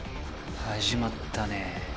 始まったね。